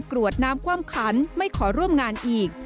กรวดน้ำคว่ำขันไม่ขอร่วมงานอีก